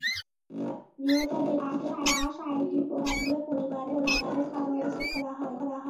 নিহত ব্যক্তিদের লাশ আইনি প্রক্রিয়ার মাধ্যমে পরিবারের কাছে হস্তান্তর করা হয়।